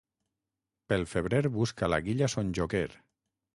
Pel febrer busca la guilla son joquer.